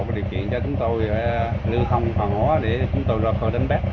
có điều kiện cho chúng tôi lưu không phòng hóa để chúng tôi rời khỏi đánh bắt